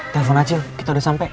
telepon aja yuk kita udah sampe